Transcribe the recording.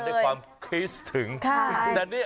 ได้ความคิสถึงแต่เนี่ย